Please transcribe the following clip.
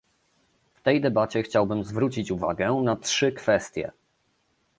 W tej debacie chciałbym zwrócić uwagę na trzy kwestie